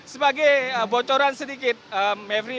sebagai bocoran sedikit maveri